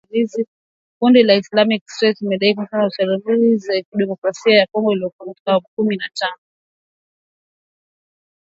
Kundi la Islamic State limedai kuhusika na shambulizi la Jamuhuri ya Kidemokrasia ya Congo lililouwa watu kumi na tano